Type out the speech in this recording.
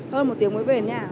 hơn một tiếng mới về nhà